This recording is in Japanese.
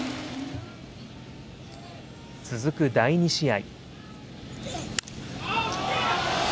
続く第２試合。